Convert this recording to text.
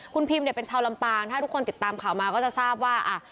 คุณพิมเนี่ยเป็นชาวลำปางถ้าทุกคนติดตามข่าวมาก็จะทราบว่า